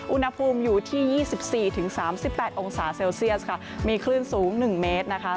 อุณหภูมิอยู่ที่๒๔๓๘องศาเซลเซียสค่ะมีคลื่นสูง๑เมตรนะคะ